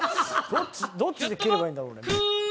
どっちで蹴ればいいんだろ。